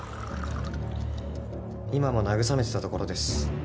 今も慰めてたところです。